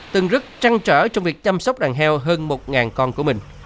từng rất trăng trở trong việc chăm sóc đàn heo hơn một con của mình